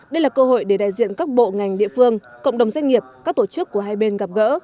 đây là cơ hội để đại diện các bộ ngành địa phương cộng đồng doanh nghiệp các tổ chức của hai bên gặp gỡ